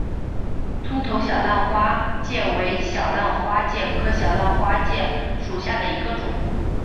葱头小浪花介为小浪花介科小浪花介属下的一个种。